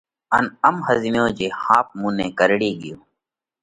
ان ام ۿزميو جي ۿاپ مُون نئہ ڪرڙي ڳيوه۔